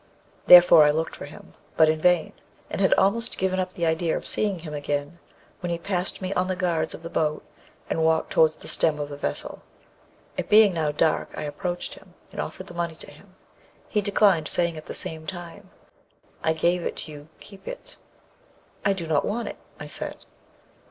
"Therefore I looked for him, but in vain; and had almost given up the idea of seeing him again, when he passed me on the guards of the boat and walked towards the stem of the vessel. It being now dark, I approached him and offered the money to him. He declined, saying at the same time, 'I gave it to you keep it.' 'I do not want it,' I said.